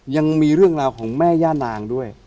ยังมีเรื่องราวของแม่ย่านางด้วย